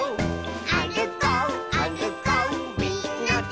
「あるこうあるこうみんなで」